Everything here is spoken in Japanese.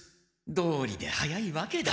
どうりで早いわけだ。